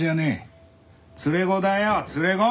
連れ子だよ連れ子！